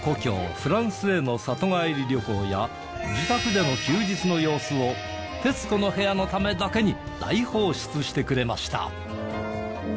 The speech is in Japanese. フランスへの里帰り旅行や自宅での休日の様子を『徹子の部屋』のためだけに大放出してくれました。